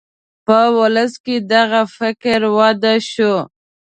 په ولس کې دغه فکر دود شو.